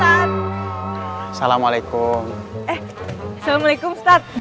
eh assalamualaikum ustadz